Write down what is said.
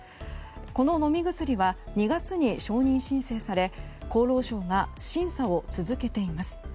この飲み薬は２月に承認申請され厚労省が審査を続けています。